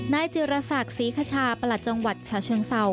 นายเจรษักษีคชาประหลัดจังหวัดชาเชิงเศร้า